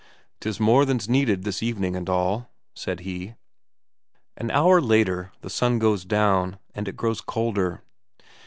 "'Tis more than's needed this evening and all," said he. An hour later the sun goes down, and it grows colder.